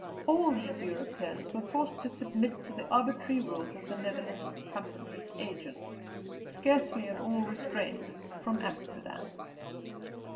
All these Europeans were forced to submit to the arbitrary rules of the Netherlands Company's agents, scarcely at all restrained from Amsterdam.